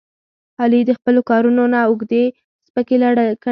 علي د خپلو کارونو نه اوږې سپکې کړلې.